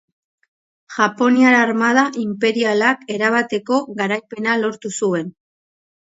Japoniar armada inperialak erabateko garaipena lortu zuen.